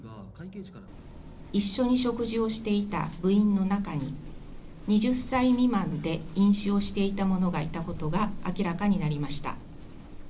一緒に食事をしていた部員の中に、２０歳未満で飲酒をしていた者がいたことが明らかになりました。